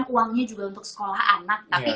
uangnya juga untuk sekolah anak tapi